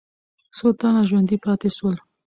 څو تنه ژوندي پاتې سول؟